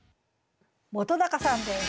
本さんです。